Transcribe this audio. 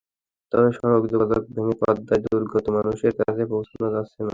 তবে সড়ক যোগাযোগ ভেঙে পড়ায় দুর্গত মানুষের কাছে পৌঁছানো যাচ্ছে না।